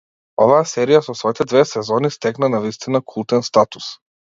Оваа серија со своите две сезони стекна навистина култен статус.